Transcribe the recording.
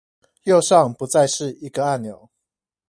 右上不再是一個按鈕